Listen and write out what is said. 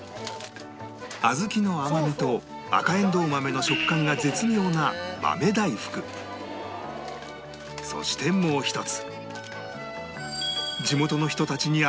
小豆の甘みと赤えんどう豆の食感が絶妙なそしてもう一つ